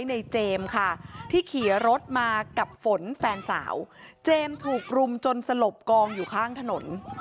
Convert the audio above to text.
ในเจมส์ค่ะที่ขี่รถมากับฝนแฟนสาวเจมส์ถูกรุมจนสลบกองอยู่ข้างถนน